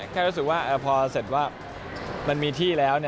แค่รู้สึกว่าพอเสร็จว่ามันมีที่แล้ว